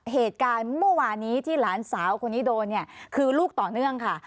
เหตุการณ์เมื่อวานี้ที่หลานสาวคนนี้โดนเนี่ยคือลูกต่อเนื่องค่ะ